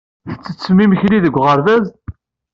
Tettettem imekli deg uɣerbaz?